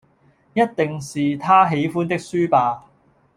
一定是他喜歡的書吧！